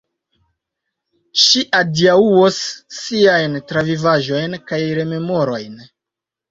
Ŝi adiaŭos siajn travivaĵojn kaj rememorojn.